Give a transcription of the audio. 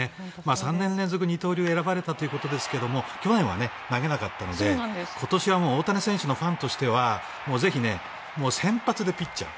３年連続、二刀流を選ばれたということですが去年は投げなかったので、今年は大谷選手のファンとしてはぜひ、先発でピッチャー。